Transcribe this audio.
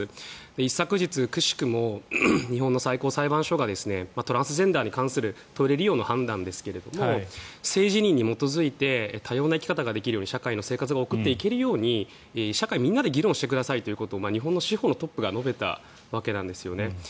一昨日、くしくも日本の最高裁判所がトランスジェンダーに対するトイレ利用の判断ですが性自認に基づいて多様な生き方ができるように生活を送っていけるように社会みんなで議論してくださいということを日本の司法のトップが述べたわけなんですよね。